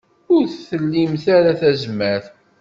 Ur tlimt ara tazmert.